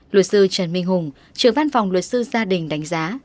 luật sư trần minh hùng trưởng văn phòng luật sư gia đình đánh giá